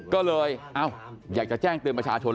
ก็เลยอยากจะแจ้งเตือนประชาชน